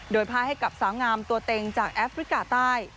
โดยผ้าให้กับสาวงามตัวเต็งจากแอฟริกาใต้